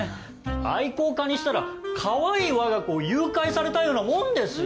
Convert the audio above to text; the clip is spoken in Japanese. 愛好家にしたらカワイイわが子を誘拐されたようなもんですよ。